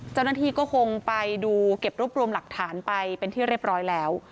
เจ้าหน้าที่ก็คงไปดูเก็บรวบรวมหลักฐานไปเป็นที่เรียบร้อยแล้ว